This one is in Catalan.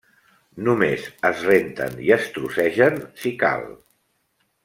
Només es renten i es trossegen si cal.